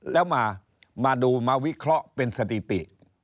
แล้วมาดูมาวิเคราะห์เป็นสถิติ